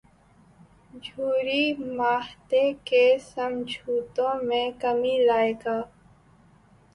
جوہری معاہدے کے سمجھوتوں میں کمی لائے گا۔